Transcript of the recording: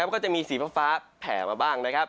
ก็จะมีสีฟ้าแผลมาบ้าง